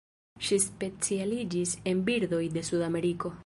Ŝi specialiĝis en birdoj de Sudameriko.